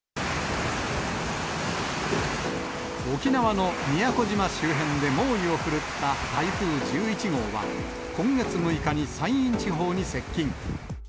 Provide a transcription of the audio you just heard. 沖縄の宮古島周辺で猛威を振るった台風１１号は、今月６日に山陰地方に接近。